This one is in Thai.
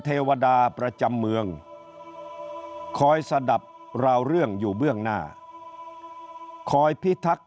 เทวดาประจำเมืองคอยสะดับราวเรื่องอยู่เบื้องหน้าคอยพิทักษ